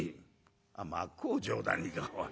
「あっ『真っ向上段に』かおい。